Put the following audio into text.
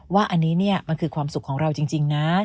ว่าอันนี้มันคือความสุขของเราจริงนะ